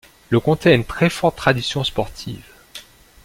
Le Comté a une très forte tradition sportive.